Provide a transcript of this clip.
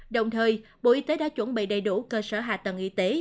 đồng thời bộ y tế đã chuẩn bị đầy đủ cơ sở hạ tầng y tế